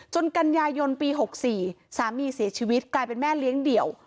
กันยายนปี๖๔สามีเสียชีวิตกลายเป็นแม่เลี้ยงเดี่ยว